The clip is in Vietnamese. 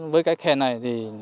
với cái khe này